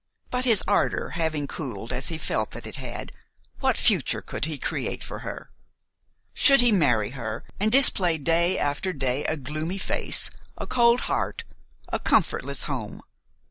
But, his ardor having cooled as he felt that it had, what future could he create for her? Should he marry her and display day after day a gloomy face, a cold heart, a comfortless home?